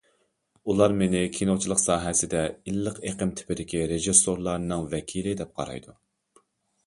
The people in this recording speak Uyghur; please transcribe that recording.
ئۇلار مېنى كىنوچىلىق ساھەسىدە‹‹ ئىللىق ئېقىم›› تىپىدىكى رېژىسسورلارنىڭ ۋەكىلى، دەپ قارايدۇ.